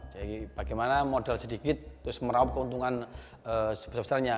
jadi bagaimana modal sedikit terus meraup keuntungan sebesarnya